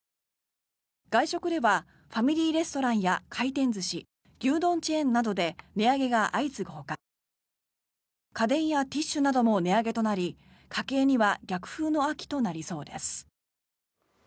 外食ではファミリーレストランや回転寿司、牛丼チェーンなどで値上げが相次ぐほか家電やティッシュなども値上げとなり家計には逆風の秋となりそうです。